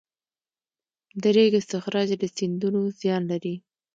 د ریګ استخراج له سیندونو زیان لري؟